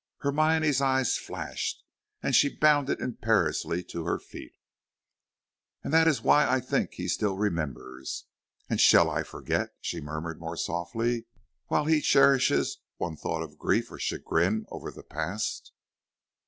Hermione's eye flashed, and she bounded imperiously to her feet. "And that is why I think that he still remembers. And shall I forget?" she murmured more softly, "while he cherishes one thought of grief or chagrin over the past?"